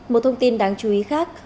một thông tin đáng chú ý khác